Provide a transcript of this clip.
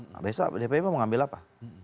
nah besok dpp mau ngambil apa